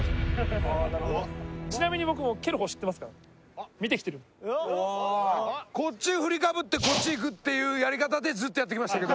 ちなみに僕もこっちへ振りかぶってこっちいくっていうやり方でずっとやってきましたけど。